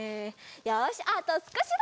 よしあとすこしだ！